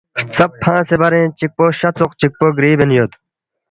ہرژب فنگسے برینگ چکپو شہ ژوخ چکپو گری بین یود